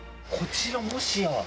こちらもしや。